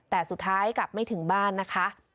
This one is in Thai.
แต่สุดท้ายกลับไม่ถึงบ้านนะคะ